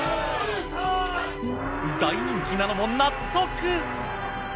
大人気なのも納得。